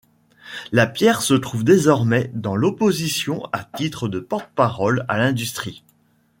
Lapierre se trouve désormais dans l'opposition à titre de porte-parole à l'industrie.